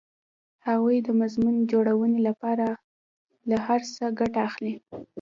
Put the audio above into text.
هغوی د مضمون جوړونې لپاره له هر څه ګټه اخلي